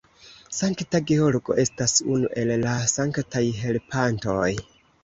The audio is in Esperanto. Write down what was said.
Sankta Georgo estas unu el la sanktaj helpantoj.